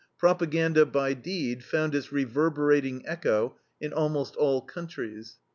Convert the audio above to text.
Propaganda by deed found its reverberating echo in almost all countries.